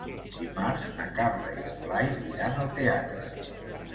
Dimarts na Carla i en Blai iran al teatre.